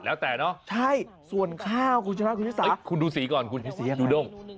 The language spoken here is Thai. หรือไม้พริกก็ได้ครับส่วนข้าวคุณชนักคุณศีรษะอ๊ะคุณดูสีก่อนดูด้ม